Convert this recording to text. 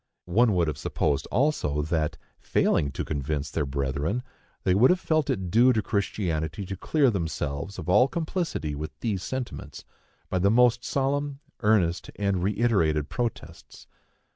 One would have supposed also, that, failing to convince their brethren, they would have felt it due to Christianity to clear themselves from all complicity with these sentiments, by the most solemn, earnest and reiterated protests.